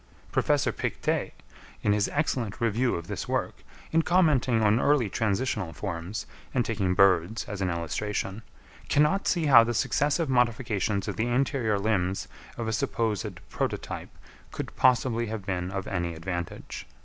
Professor Pictet, in his excellent Review of this work, in commenting on early transitional forms, and taking birds as an illustration, cannot see how the successive modifications of the anterior limbs of a supposed prototype could possibly have been of any advantage.